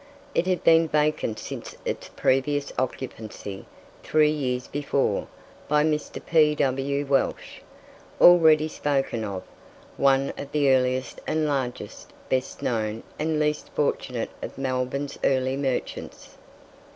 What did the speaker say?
It had been vacant since its previous occupancy three years before by Mr. P.W. Welsh, already spoken of one of the earliest and largest, best known, and least fortunate of Melbourne's early merchants.